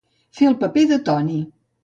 Fer el paper de Toni.